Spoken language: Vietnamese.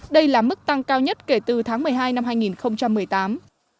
đây là mức tăng cao nhất kể từ tháng một mươi hai năm hai nghìn một mươi tám